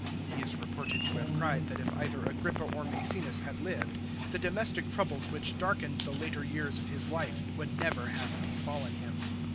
He is reported to have cried that if either Agrippa or Meecenas had lived, the domestic troubles which darkened the later years of his life would never have befallen him.